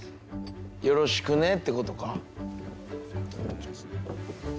よろしくね」ってことか。